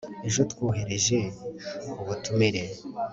ejo twohereje ubutumire